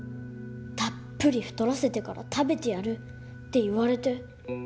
「たっぷり太らせてから食べてやる」って言われて。